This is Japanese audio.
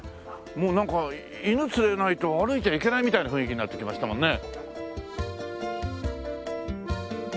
もうなんか犬連れないと歩いちゃいけないみたいな雰囲気になってきましたもんね。